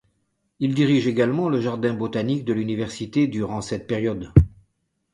Il dirige également le jardin botanique de l’université durant cette période.